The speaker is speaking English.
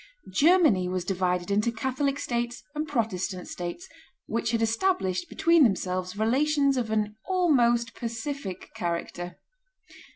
Germany was divided into Catholic states and Protestant states, which had established between themselves relations of an almost pacific character.